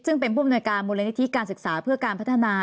ซึ่งเป็นผู้อำนวยการมูลนิธิการศึกษาเพื่อการพัฒนา